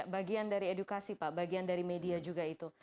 bagian dari edukasi pak bagian dari media juga itu